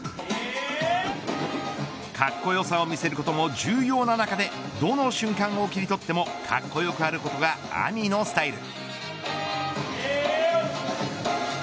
かっこよさを見せることも重要な中でどの瞬間を切り取ってもかっこよくあることがＡｍｉのスタイル。